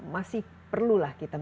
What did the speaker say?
masih perlulah kita